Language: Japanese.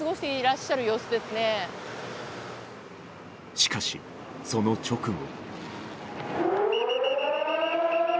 しかし、その直後。